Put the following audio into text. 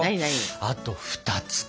あと２つか。